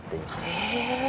へえ。